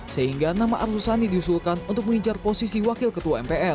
sehingga nama arsusani diusulkan untuk mengincar posisi wakil ketua